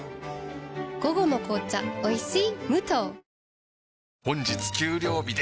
午後の紅茶おいしい